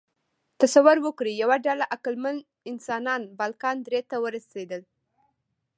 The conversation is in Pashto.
تصور وکړئ، یوه ډله عقلمن انسانان بالکان درې ته ورسېدل.